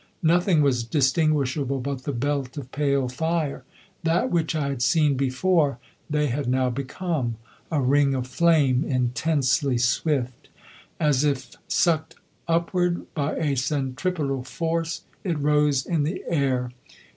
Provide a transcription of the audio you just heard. Nothing was distinguishable but the belt of pale fire. That which I had seen before they had now become a ring of flame intensely swift. As if sucked upward by a centripetal force it rose in the air.